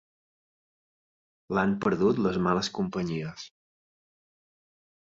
L'han perdut les males companyies.